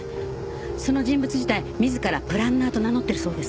その人物自体自らプランナーと名乗ってるそうです。